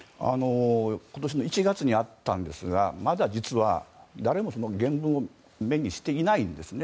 今年の１月にあったんですがまだ実は、誰もその原文を目にしていないんですね。